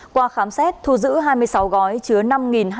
qua khám xét thu giữ hai mươi sáu gói chứa năm hai trăm linh đồng